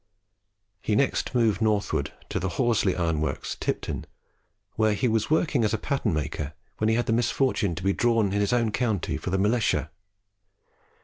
He next moved northward to the Horsley ironworks, Tipton, where he was working as a pattern maker when he had the misfortune to be drawn in his own county for the militia.